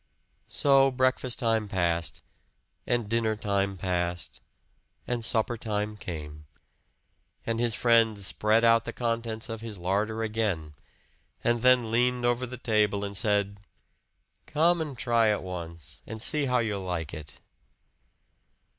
So breakfast time passed, and dinner time passed, and supper time came. And his friend spread out the contents of his larder again, and then leaned over the table and said, "Come and try it once and see how you like it!"